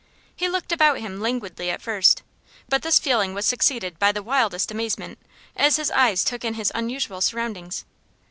He looked about him languidly at first, but this feeling was succeeded by the wildest amazement, as his eyes took in his unusual surroundings.